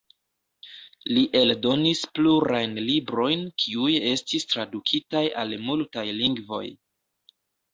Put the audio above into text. Li eldonis plurajn librojn, kiuj estis tradukitaj al multaj lingvoj.